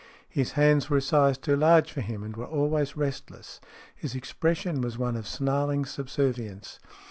His hands were a size too large for him, and were always restless. His expression was one of snarling subservience.